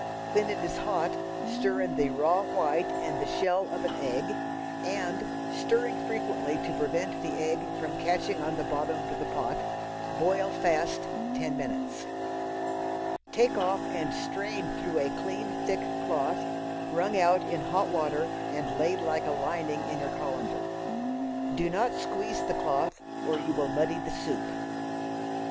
When it is hot, stir in the raw white and the shell of an egg, and, stirring frequently to prevent the egg from catching on the bottom of the pot, boil fast ten minutes. Take off and strain through a clean thick cloth, wrung out in hot water and laid like a lining in your colander. Do not squeeze the cloth, or you will muddy the soup.